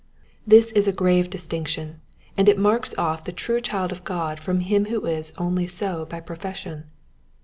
This is a grave distinction, and it marks off the true child of God from him who is only so by profession.